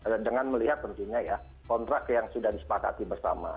dengan melihat kontrak yang sudah disepakati bersama